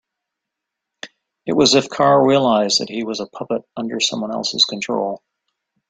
It was as if Carl realised that he was a puppet under someone else's control.